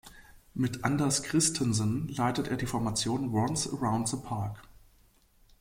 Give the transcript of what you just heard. Mit Anders Christensen leitet er die Formation "Once Around the Park".